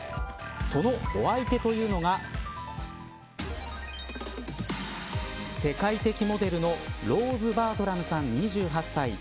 そのお相手というのが世界的モデルのローズ・バートラムさん２８歳。